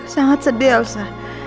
sangat sedih elsa